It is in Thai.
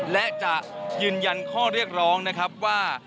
และจะยืนยันข้อเรียกร้องนะครับว่า